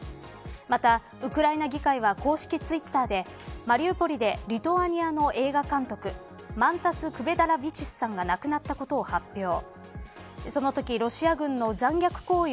また、ウクライナ議会は公式ツイッターでマリウポリでリトアニアの映画監督マンタス・クヴェダラヴィチュスさんが亡くなったこと発表。